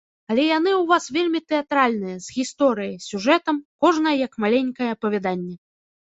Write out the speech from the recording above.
Але яны ў вас вельмі тэатральныя, з гісторыяй, сюжэтам, кожная як маленькае апавяданне.